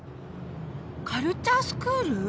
カルチャースクール？